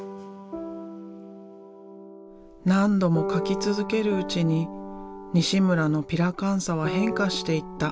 何度も描き続けるうちに西村のピラカンサは変化していった。